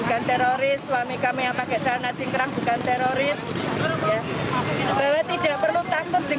untuk menyampaikan pada masyarakat bahwa kami yang bercadar bukan teroris